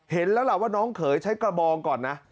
เห็นแล้วล่ะว่าน้องเขยใช้กระบองก่อนนะ